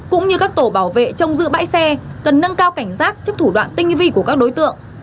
cũng như các tổ bảo vệ trong giữ bãi xe cần nâng cao cảnh giác trước thủ đoạn tinh vi của các đối tượng